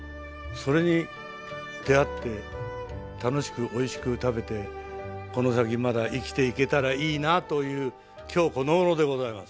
それに出合って楽しくおいしく食べてこの先まだ生きていけたらいいなという今日このごろでございます。